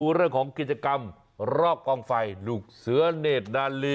เรื่องของกิจกรรมรอบกองไฟลูกเสือเนธนาลี